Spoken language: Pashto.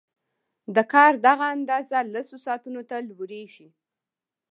د کار دغه اندازه لسو ساعتونو ته لوړېږي